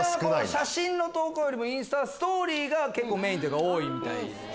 写真の投稿よりもインスタはストーリーがメインというか多いみたいです。